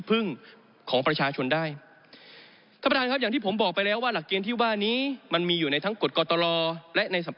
เพราะทำไปก็ไม่มีใครเห็น